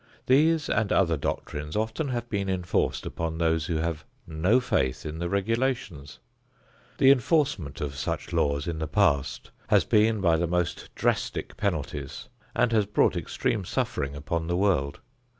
These and other doctrines often have been enforced upon those who have no faith in the regulations. The enforcement of such laws in the past has been by the most drastic penalties and has brought extreme suffering upon the world.